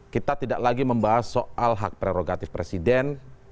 kita tidak lagi membahas soal hak prerogatif presiden